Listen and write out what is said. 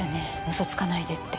嘘つかないでって。